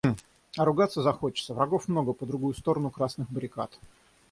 А ругаться захочется — врагов много по другую сторону красных баррикад.